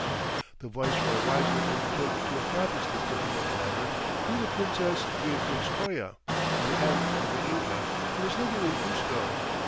The viceroy wisely undertook to accomplish this difficult matter through the Princess Beatrix Coya, an aunt of the Inca, who was living in Cuzco.